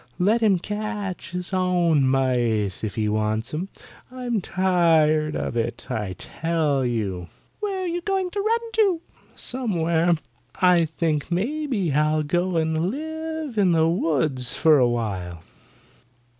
Let him catch his own mice if he wants 'em. I'm tired of it, I tell you." "Where are you going to run to?" "Somewhere. I think maybe I'll go and live in the woods for awhile.